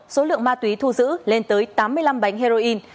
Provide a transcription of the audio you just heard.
số lượng ma túy thu giữ lên tới tám mươi năm bánh heroin